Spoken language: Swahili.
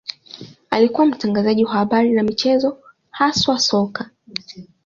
Alikuwa mtangazaji wa habari na michezo, haswa soka.